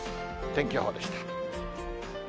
天気予報でした。